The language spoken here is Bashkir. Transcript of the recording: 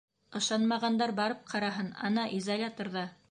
— Ышанмағандар барып ҡараһын, ана, изоляторҙа.